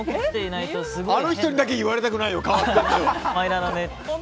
あの人にだけ言われたくないよ。